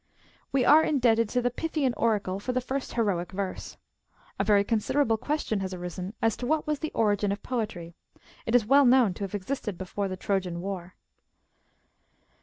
AYe are indebted to the Pythian oracle for the first heroic verse. ^^ A very considerable question has arisen, as to what was the origin of poetry ; it is well known to have existed before the Trojan war.